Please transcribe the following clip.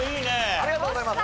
ありがとうございます。